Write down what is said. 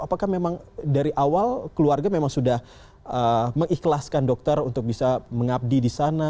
apakah memang dari awal keluarga memang sudah mengikhlaskan dokter untuk bisa mengabdi di sana